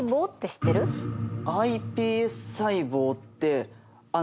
ｉＰＳ細胞ってあっ